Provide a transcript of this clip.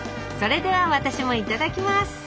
それでは私もいただきます！